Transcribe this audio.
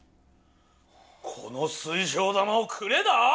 この水晶玉をくれだぁ？